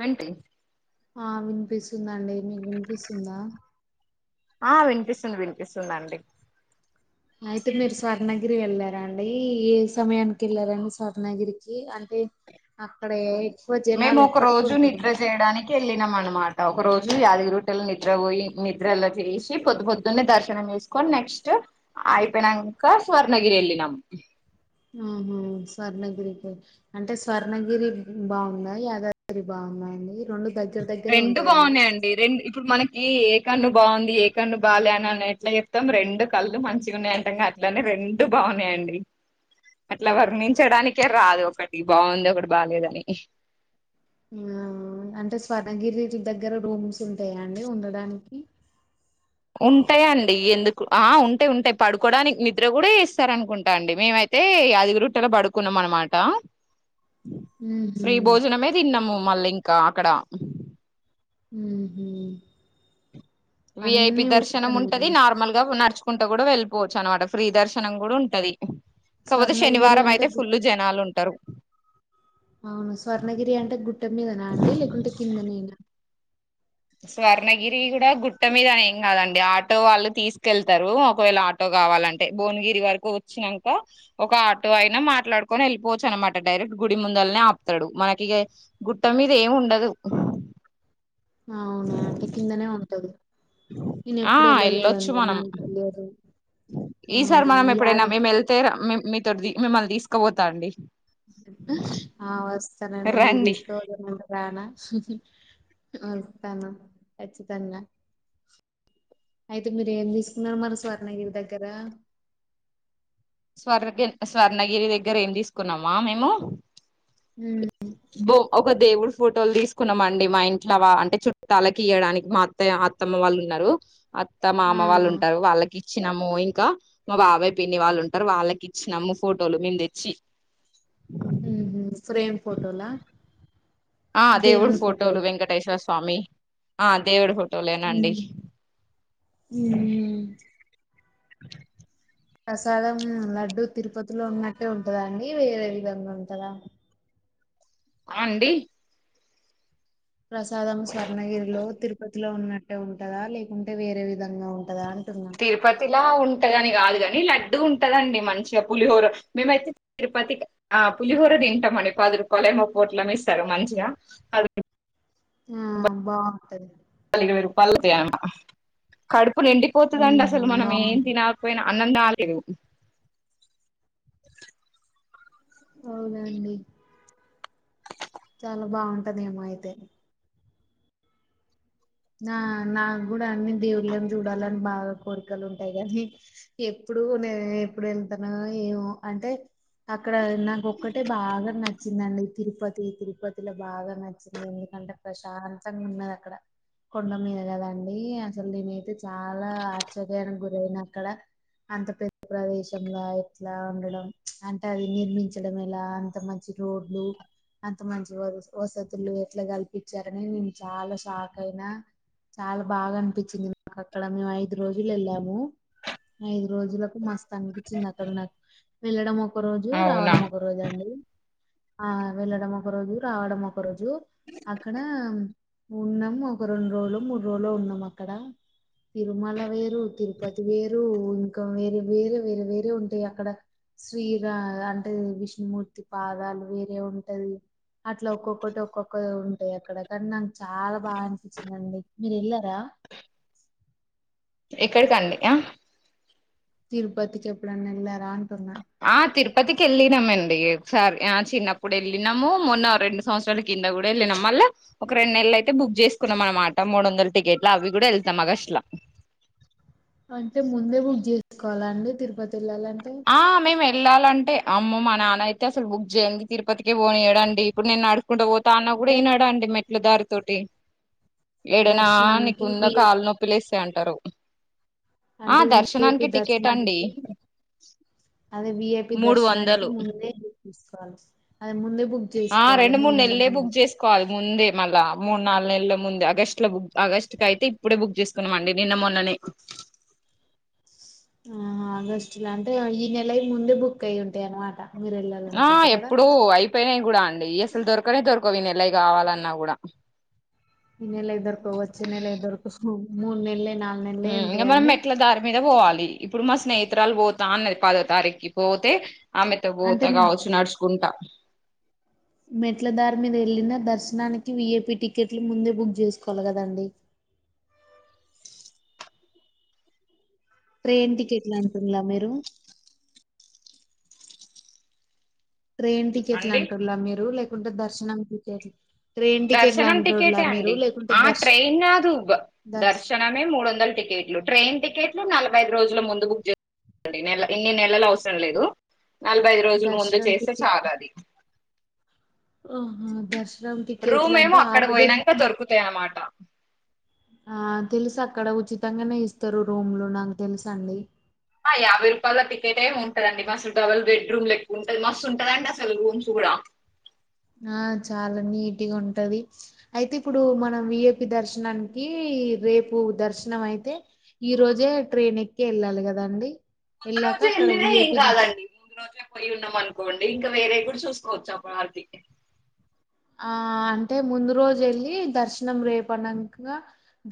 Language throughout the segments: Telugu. వింటి ఆ విన్ పిస్తుంది అండి మీకు వినిపిస్తుందా ఆఅ వినిపిస్తుంది వినిపిస్తుందండి అయితే మీరు స్వర్ణగిరి వెళ్లార అండి ఏ సమయానికి వెళ్ళారండి స్వర్ణగిరికి అంటే అక్కడ ఏఎ మేము ఒక రోజు నిద్ర చేయడానికి వెళ్ళినమనమాట. ఒక రోజు యాదిగిరిగుట్టెలు నిద్ర పోయి నిద్రలో చేసి పొద్దు పొద్దున్నే దర్శనం చేసుకొని నెక్స్ట్ అయిపోయినంక స్వర్ణగిరి వెళ్ళినాం ఆహా స్వర్ణగిరికి అంటే స్వర్ణగిరి బాగుందా యాదగిరి బాగున్నదాండి. రెండు బాగున్నాయండి రెండు ఇప్పుడు మనకి ఏ కన్ను బాగుంది ఏ కన్ను బాలేదని అని ఎట్లా చెప్తాం రెండు కళ్లు మంచిగున్నాయి అంటాంగా అట్లనే రెండు బాగున్నాయండి. అట్లా వర్ణించడానికి క్కెరాదు ఒకటి బాగుంది ఒకటి బాలేదని ఊమ్ అంటే స్వర్ణగిరి దగ్గర రూమ్స్ ఉంటాయా అండి ఉండడానికి. ఉంటయండి ఎందుకు ఆ ఉంటాయి ఉంటాయి పడుకోవడానికి నిద్ర కూడా చేస్తారు అనుకుంటా అండి మేమైతే యాదగిరిగుట్టలో పడుకున్నాం అనమాట ఉహు ఫ్రీ భోజనమే తిన్నము మళ్ళీ ఇంకా అక్కడ. ఉమ్ హు విఐపి దర్శనం ఉంటాది నార్మల్ గా నడుచు. కుంటూ కూడా వెళ్ళిపోవచ్చు అనమాట ఫ్రీ దర్శనం కూడా ఉంటాది. కాపోతే స్వర్ణగిరి శనివారం అంటే అయితే గుట్ట ఫుల్ జనాలు ఉంటారు. అవును స్వర్ణగిరి అంటే గుట్ట మీదనా అండి లేకుంటే కింద నేనా. స్వర్ణగిరి గూడా గుట్ట మీద ఏం కాదండి ఆటో వాళ్ళు తీసుకెళ్తారు ఒకవేళ ఆటో గావాలంటే భువనగిరి వరకు వచ్చినంక ఒక ఆటో అయినా మాట్లాడుకొని యెళ్ళిపోవచ్చు అనమాట డైరెక్ట్ గుడి ముందల్నే ఆపుతాడు మనకి ఇగ గుట్ట మీద ఏమి ఉండదు. అవునా అంటే కిందనే ఉంటది. నేను ఆ ఎప్పుడు వెళ్ళొచ్చు వెళ్ళలేదండి మనం నాకు తెలియదు ఈసారి అవునా మనం యాద ఎప్పుడైనా మేము వెళ్తే మే. మీతోటి మిమ్మల్ని తీసుకుపోతా అండి. ఆ వస్తానండి మీరు రండి తీసుకుపోతే రానా. వస్తాను ఖచ్చితంగా. అయితే మీరు ఏం తీసుకున్నారు మరి స్వర్ణగిరి దగ్గర. స్వర్ణగి స్వర్ణగిరి దగ్గర ఏమ్ తీసుకున్నామా మేము. ఉహు. బో ఒక దేవుడు ఫోటోలు తీసుకున్నాం అండి మా ఇంట్లో అంటే చుట్టాలకి ఇయడానికి మా అత్త అత్తమ్మ వాళ్ళు ఉన్నారు. అత్త మామ ఆ వాళ్ళు ఉంటారు వాళ్ళకి ఇచ్చినము. ఇంకా మా బాబాయ్ పిన్ని వాళ్ళు ఉంటా. ఆ వాళ్ళకి ఇచ్చినామ్ము ఫోటోలు మేము తెచ్చి. ఫ్రేమ్ ఫోటోలా. ఆ అ దేవుడు ఫోటోలు వెంకటేశ్వర. స్వామి ఆ దేవుడు ఉమ్ ఉమ్. ప్రసాదం లడ్డు తిరుపతిలో ఉన్నట్టే ఉంటదా అండి వేరే విధంగా ఉంటుందా. ఆ అండి. ప్రసాదం స్వర్ణగిరిలో తిరుపతిలో ఉన్నట్టే ఉంటదా లేకుంటే వేరే విధంగా ఉంటదా అని తిరుపతి లో ఉంటా దాన్ని కాదు గాని. లడ్డు ఉంటుందండి మంచిగా పులిహోర మేమైతే తిరుపతికి పులిహోర తింటామని పదురు కొళయమ పోట్లమ్ ఇస్తారు మంచిగా ఆ. ఆహ బాగుంటాది. పళ్ళద్య కడుపు. ఇప్పుడు ఎండిపోతుందండి ఉహు అసలు మనం ఏం బాగుంటది తిన్నకపోయినా అన్నంద. ఇరు. అవునండి. చాలా బాగుంటాది ఏమో అయితే. నా నాకు కూడా. దేవుళ్ళం చూడాలని బాగా. బాగా కోరికలు ఉంటాయి కానీ ఎప్పుడు నే ఎప్పుడు ఏళ్తానో ఏమో అంటే అక్కడ నాకు ఒక్కటే బాగా నచ్చిందండి తిరుపతి తిరుపతిలో బాగా నచ్చింది ఎందుకంటే ప్రశాంతంగా ఉన్నది అక్కడ కొండ మీద కదండి అసలు నేనైతే చాలా ఆశ్చర్యానికి గురయినా అక్కడ అంత పెద్ద ప్రదేశం లా ఎట్లా ఉండడం అంటే అది నిర్మించడం ఎలా అంత మంచి రోడ్లు అంత మంచి వ వసతులు ఎట్లా కల్పించారని నేను చాలా షాక్ అయినా చాలా బాగా అనిపించింది నాకు అక్కడ మేము ఐదు రోజులు వెళ్ళాము ఐదు రోజులకు మస్తు అనిపించింది అక్కడ నాకు వెళ్ళడం ఒక ఒక రోజు అవునా రావడం ఒక రోజు అండి ఆ వెళ్ళడం ఒక రోజు రావడం ఒక రోజు అక్కడ ఉన్నాము ఒక రెండు రోజులు మూడు రోజులు ఉన్నాం అక్కడ తిరుమల వేరు తిరుపతి వేరు ఇంకా వేరే వేరే వేరే వేరే ఉంటాయి అక్కడ సిరా అంటే విష్ణుమూర్తి పాదాలు వేరే ఉంటది అట్లా ఒక్కొక్కటి ఒక్కొక్క ఏ ఎక్కడకన్నా నాకు చాలా బాగా నచిందండి మీరు ఎల్లారా ఎక్కడికండి ఆ తిరుపతికి ఎప్పుడైనా వేల్లారా అంటున్నా ఆ తిరుపతికి వెళ్ళినామ అండి ఒకసారి ఆ చిన్నప్పుడు వెళ్ళినాము మొన్న రెండు సంవత్సరాల కింద కూడా వెళ్ళినాం మళ్ళా ఒక రెండు నెలలు అయితే బుక్ చేసుకున్నాం అనమాట మూడు వందల టికెట్లు అవి కూడా వెళ్తాం ఆగస్ట్లా అంటే ముందే బుక్ చేసుకోవాలండి తిరుపతి వేల్లాలంటే ఆ మేము వెళ్ళాలంటే అమ్మో మా నాన్న అయితే అసలు బుక్ చేయంది తిరుపతికే పోనియడండి ఇప్పుడు నేను నడు కుడా పోతాన్న కూడా అంటే ఈనడండి మెట్ల దారీ తోటి ఏడైనా నీకుందాక దర్శనంకి కాళ్లు నొప్పిలేస్త అంతే అంటారు ఆ అంటే విఐపి దర్శనానికి టికెట్ అండి దర్శనానికి అదే విఐపి మూడు దర్శనానికి వందలు ముందే బుక్ తీసుకోవాలి అదే ముందే బుక్ ఆ చేసుకోవాలి రెండు మూడు నెల్ల నెలలే ముందు బుక్ చేసుకోవాలి ముందే మళ్ళా మూడు నాలుగు నెలల ముందే ఆగస్టు లో బుక్ ఆగస్టు కయితే ఇప్పుడే బుక్ చేసుకున్నాంమండి నిన్న మొన్ననే ఆ ఆగస్టు లా అంటే ఈ నెల ముందే బుక్ అయి్య ఉంటాయి అనమాట ఆ ఎప్పుడో అయిపోయానాయి కూడా అండి ఈ అసలు దొరకనే దొరక కోవి నెలవి కావాలన్నా కూడా ఈ నెల దొరక్క పోవచ్చు వచ్చే నెల దొరక సామి మూన్నెలయింది ఇంగ మనం మెట్ల దారి మీద పోవాలి ఇప్పుడు మా స్నేహి చిత్రరాలు పోతాన్నది పదో తారీకి పోతే ఆమెతో పోత అంటే కావచ్చు నడుచుకుంటా మెట్ల దారి మీద ఏళ్ళినా దర్శనానికి విఐపి టికెట్లు ముందే బుక్ చేసుకోవాలి కదండి ట్రెైన్ టికెట్లా అనుకుంద మీరు ట్రైన్ టికెట్లు అండి అంటులా మీరు లే కొంటే దర్శననికితే దర్శనం టికెటే అండి ఆ దర్శ ట్రైన్ కాదు దర్శ దర్శనమే మూడు వందల టికెట్లు ట్రైన్ టికెట్ టికెట్లు నలభై ఐదు రోజుల ముందు బుక్ చేసుకోవాలండి ఇన్ని నెలలు అవసరం లేదు నలభై ఐదు రోజుల ముందు దర్శనం చేస్తే చాలా టికెట్లా అది ఆహా దర్శనం రూమ్ టికెట్లు ఏమో అంటే ఆ అక్కడకి రోజే పోయినంక దొరుకుతాయ అన్నమాట ఆ తెలుసు అక్కడ ఉచితంగానే ఇస్తారు రూములు నాకు తెలుస అండి. యాభై రూపాయల టికెటే ఉంటదండి మాస్తు టవల్ డబల్ బెడ్రూమ్ లెక్క ఉంటంది మస్తు ఉంటదండి అసలు రూమ్స్ కూడా ఆ చాలా నీటిగా ఉంటది అయితే ఇప్పుడు మనం విఎపి దర్శనానికి రేపు దర్శనం అయితే ఈ రోజే ట్రైన్ ఎక్కి వెళ్ళాలి కదాండి. ఆ రోజు వెళ్ళిన ఏం కాదండి ముందు రోజే పోయి ఉన్నాం అనుకోండి ఇంకా వేరే గూడా. చూసుకోవచ్చు అప్పటివారికి. ఆ అంటే ముందు రోజు వెళ్ళి దర్శనం రేపునంకా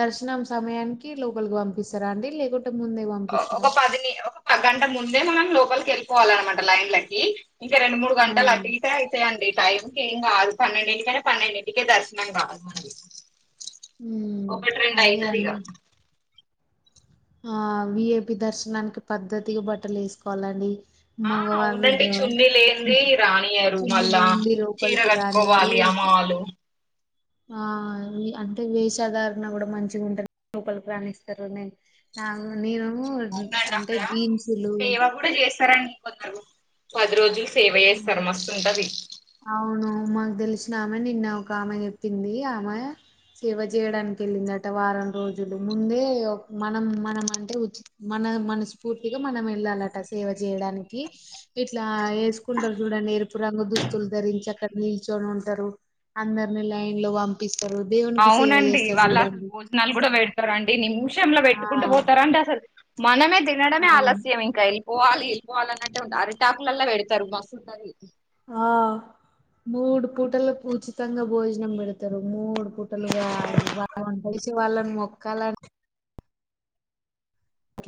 దర్శనం సమయానికి లోపలికి పంపిస్తారా అండి లేకుం. ఒక పదిని ఒక గంట ముం ముందే మనం లోపలికి వెళ్ళిపోవాలిన్నమాట లైన్ లకి ఇంక రెండు మూడు ఆ గంటలు అటు ఇటు అయితెయండి టైమ్. ఏం కాదు పన్నెండింటికంటే పన్నెండింటికే దర్శనం కాదు మనది. హ్మ్ అదే అని ఆ వి ఏ పి దర్శనానికి పద్ధతిగా బట్టలు వేసుకోవాలండి. ఆ మగవాళ్ళు అవునండి గా చున్నీ లేనిది రానియరు చున్నీ మళ్ళా లేనిది చీర లోపలికి రానియరు కట్టుకోవాలి అమ్మ వాళ్ళు. ఆ అంటే వేషధారణ కూడా మంచిగా ఉంటేనే లోపలి రాణిస్తారు నేను నా నేను. అవునండి అంటే అక్కడ జీన్సులు సేవ కుడా చేస్తారం కొందరు పది రోజులు సేవ ఆ చేస్తారు మస్తుంటది అవును మాకు తెలిసిన ఆమెనే నిన్న ఒక ఆమె చెప్పింది ఆమె సేవ చేయడానికి వెళ్ళిందిట వారం రోజులు ముందే మనం మనం అంటే మన మనస్ఫూర్తిగా మనం వెళ్ళాలట సేవ చేయడానికి ఇట్లా వేసు కొందరు చూడండి ఎరుపు రంగు దుస్తులు ధరించి అక్కడ నిల్చొని ఉంటారు అందరిని లైన్ లో పంపిస్తా అవునండి వాళ్ళు అసలు భోజనాలు కూడా పెడతారు అండి నిమిష లో ఆ పెట్టుకుంటూ పోతారు అంట అసలు. మనమే. తినడమే అవును ఆలస్యం ఇంకా ఎల్. పోవాలి వెళ్ళి పోవాలన్నట్టే ఉంటా అరటి ఆకులలో పెడుతారు మస్తుంటది. ఆ మూడు పూటలకు ఉచితంగా భోజనం పెడుతారు మూడు. పూటలుగా అది వంటచేసి. వచి వాళ్ళని మొక్కా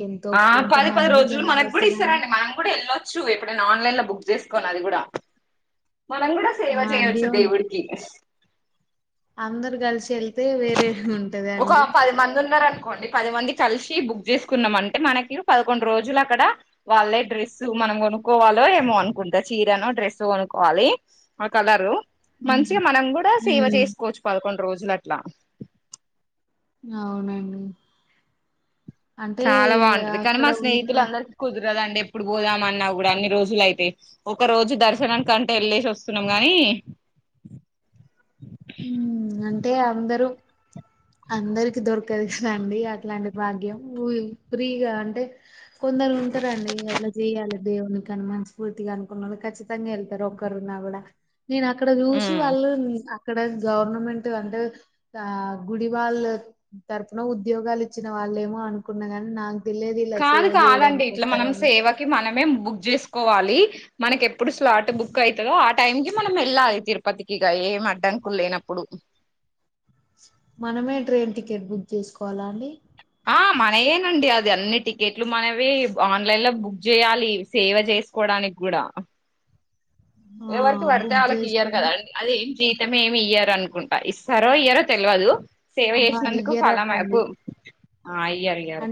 ఎంతో ఆ ఎంత పది పది మంది రోజులు జనాలు మనకుగూడా వస్తారండి ఇస్తారండి మనం కూడా వెళ్ళొచ్చు ఎప్పుడైనా అన్లైన్లో బుక్ చేసుకోవాలి అది కూడా. మనం కూడా సేవ ఆ చెయ్యొచ్చు దేవున్ దేవుడికి అందరు కలిసి ఎల్తే. ఒక పది మంది ఉన్నారు అనుకోండి పది మందికి కలిసి బుక్ చేసుకున్నాం. అంటే మనకి పదకొండు రోజులు అక్కడ వాళ్ళే డ్రెస్ మనం కొనుక్కోవాలో ఏమో అనుకుంటా చీరనో డ్రెస్ ఒ కొనుక్కోవాలి. ఆ కలరు హ్మ్ మంచిగా మనం కూడా సేవ హ్మ్ చేసుకోవచ్చు. ప కొన్ రోజుల లా అవునండి. అంటే చాలా బాగుంటది కానీ అక్కడ మా స్నేహితులు ఉన్న అందరికీ కుదరదుండి ఎప్పుడు పోదాం. అన్నా కూడా అన్ని రోజులైతే, ఒకరోజు దర్శనం కంటే ఎళ్ళేసి వస్సున్నాం గానీ అంటే అందరూ అందరికి దొరకదు కదండి అట్లాంటి భాగ్యం ఫ్రీగా అంటే కొందరు ఉంటారండి అట్లా చెయాలి దేవునినికి అను మ స్ఫూర్తిగా అనుకున్ను ఖచ్చితంగా వెళ్తారు ఒక్కరున్నా కూడా నేను అక్కడ చూసి ఉమ్ వాళ్ళు ఇక్కడ గవర్నమెంట్ అంటే ఆ గుడివాళ్ళ తరఫున ఉద్యోగాలు ఇచ్చిన వాళ్ళేమో అనుకున్న కాని నా కాదు కాదండి. ఇట్లా మనం సేవకి మనమే బుక్ చేసుకోవాలి. మనకి ఎప్పుడు స్లాట్ బుక్ అవుతుందో ఆ టైమ్ కి మనం వెళ్ళాలి తిరుపతికిగా ఏం అడ్డానుకు లేనప్పుడు మనమే ట్రైన్ టికెట్ బుక్ చేసుకోవాలా అండి ఆ మనయేనండి. అది అన్ని టికెట్లు మనవి ఆన్లైన్ లో బుక్ చేయాలి. సేవ చేసుకోవడానికి కూడా ఆ ఎవరకు పడితే బుక్ వాళ్ళకి ఇయ్యరు చేసుకుని కదా అండి అది జీతం ఏమి ఇయ్యార అనుకుంటా ఇస్తారో ఇయ్యారో తెలియదు సేవ ఆహా చేసినందుకు ఫలం ఐపు ఇయ్యరటండి ఆ అయ్యరయకు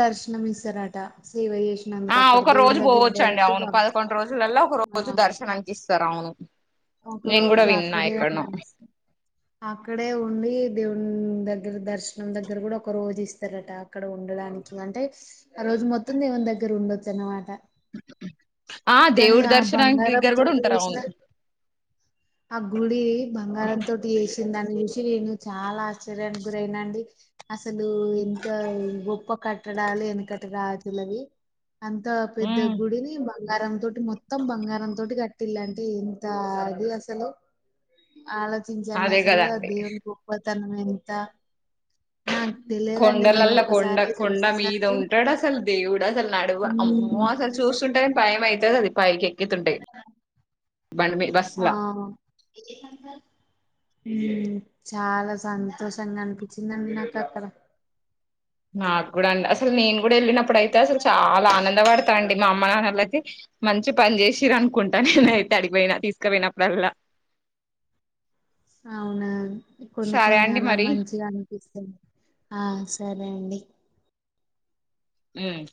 దర్శనమిస్సరట సేవ జేస్ ఆ ఒక రోజు పోవచ్చండి అవును పంపిస్తారు పదకొండు రోజుల లా ఒక ఆ రోజు దర్శననికి ఇస్తారు అవును ఒక నేను కూడా రోజు విన్నా అక్కడే ఎక్కడనో అక్కడే ఉండి దేవ్ దగ్గర దర్శనం దగ్గర కూడా ఒక రోజు ఇస్తారట అక్కడ ఉండడానికి అంటే ఆ రోజు మొత్తం దేవని దగ్గర ఉండొచ్చ అన్నమాట ఆ కానీ దేవుడి ఆ దర్శనానికి బంగారం దగ్గర కూడా తోటి ఉంటారు అవును చేసిన ఆ గుడి బంగారంతోటి వేసి దాన్ని చూసి ను చాలా ఆశ్చర్యానికి గురైన అండి. అసలు ఎంత గొప్ప కట్టడాలు ఎనకట రాతులవి అంత పెద్ద ఉమ్ గుడిని బంగారం తోటి మొత్తం బంగారం తోటి కట్టిల్లా అంటే ద ఇది అసలు ఆలోచించాండి అదే అసలు ఆ కదండి దేవుని గొప్ప వెంత కొండలలో కొండ కొండ మీద చూసేసరికి ఉంటాడు అసలు దేవుడు అసలు నడువు అమ్మో మ్మ్. అసలు చూస్తుంటే భయం అవుతుంది అది పైకి ఎక్కుతుంటాయి బండి మీ బస్సుల ఆ హ్మ్ చాలా సంతోషంగా అనిపించిందండి నాకక్కడ నాకు కూడా అండి అసలు నేను కూడాడ ఎల్ నా ఇప్పుడైతే అసలు చాలా ఆనంద పడతా అండి మా అమ్మ నాన్నల అయితే మంచి పని చేసిర అనుకుంటా నేనయితే అడిగిపోయినా తీసుకుపోయినప్పుడల్లా అవునా ఈ కొన్ని సరే కొన్ని అండి అలా మరి మంచిగా అనిపిస్తది ఆ సరే అండి హ్మ్